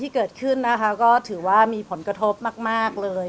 ที่เกิดขึ้นนะคะก็ถือว่ามีผลกระทบมากเลย